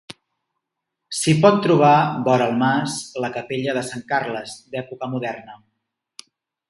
S'hi pot trobar, vora el mas, la capella de Sant Carles, d'època moderna.